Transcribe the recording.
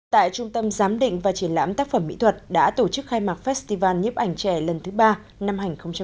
tại trung tâm giám định và triển lãm tác phẩm mỹ thuật đã tổ chức khai mạc festival nhếp ảnh trẻ lần thứ ba năm hai nghìn một mươi chín